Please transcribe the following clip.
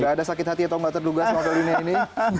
nggak ada sakit hati atau nggak terduga sama dunia ini